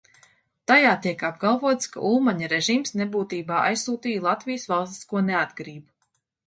Tajā tiek apgalvots, ka Ulmaņa režīms nebūtībā aizsūtīja Latvijas valstisko neatkarību.